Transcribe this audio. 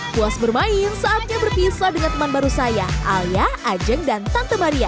puas bermain saatnya berpisah dengan teman baru saya alia ajeng dan tante maria